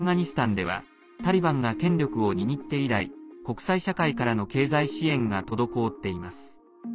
アフガニスタンではタリバンが権力を握って以来国際社会からの経済支援が滞っています。